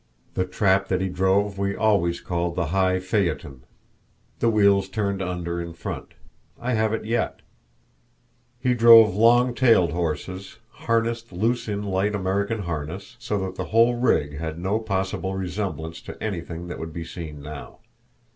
The trap that he drove we always called the high phaeton. The wheels turned under in front. I have it yet. He drove long tailed horses, harnessed loose in light American harness, so that the whole rig had no possible resemblance to anything that would be seen now.